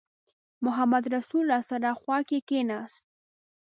محمدرسول راسره خوا کې کېناست.